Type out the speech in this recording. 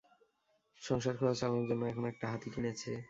সংসার খরচ চালানোর জন্য এখন একটা হাতি কিনেছে।